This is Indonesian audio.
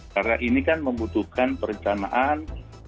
karena ini kan membutuhkan perencanaan